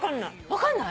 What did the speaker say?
分かんない？